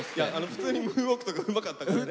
普通にムーンウォークとかうまかったからね。